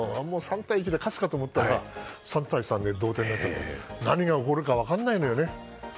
３対１で勝つかと思ったら３対３で同点だったので何が起こるのか分からないのよね。